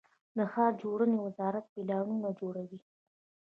د ښار جوړونې وزارت پلانونه جوړوي